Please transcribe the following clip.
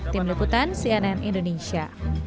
tim leputan cnn indonesia